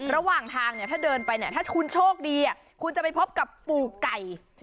ระหว่างทางเนี่ยถ้าเดินไปเนี่ยถ้าคุณโชคดีคุณจะไปพบกับปู่ไก่